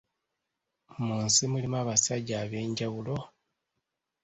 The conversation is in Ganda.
Mu nsi mulimu abasajja ab'enjawulo!